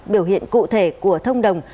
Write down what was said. biểu hiện cụ thể của thông đồng